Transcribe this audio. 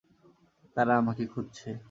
তারা আমাকে খুঁজছে।